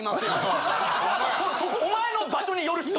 そこお前の場所によるし！と。